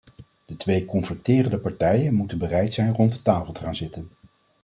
De twee conflicterende partijen moeten bereid zijn rond de tafel te gaan zitten.